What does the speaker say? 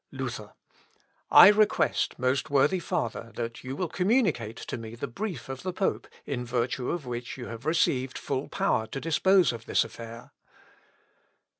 Luther. "I request, most worthy father, that you will communicate to me the brief of the pope, in virtue of which you have received full power to dispose of this affair."